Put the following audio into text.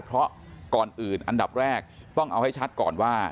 เพราะก่อนอื่นอันดับแรกต้องเอาให้ชัดก่อนว่า